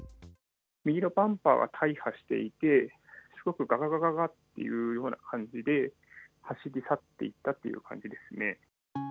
右のバンパーが大破していて、すごくがががががっていうような感じで、走り去っていったっていう感じですね。